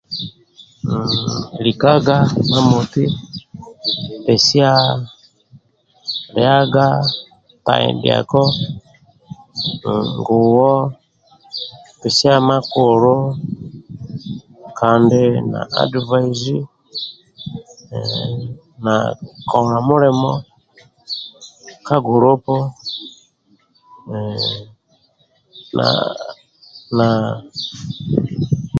Likaga imamoti pesiya lyaga ntaidako ngoye pesiya makulu kandi na divaizi na kola mulimo ka gulupu na na